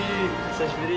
久しぶり。